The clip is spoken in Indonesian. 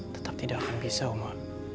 tetap tidak akan bisa oma